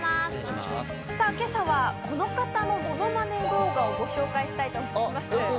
今朝はこの方のモノマネ動画をご紹介したいと思います。